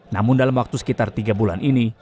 namun dalam waktu sekitar tiga bulan ini